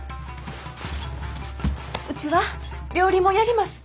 うちは料理もやります！